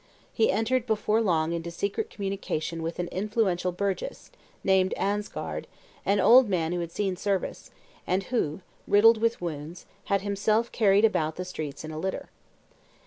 He entered before long into secret communication with an influential burgess, named Ansgard, an old man who had seen service, and who, riddled with wounds, had himself carried about the streets in a litter.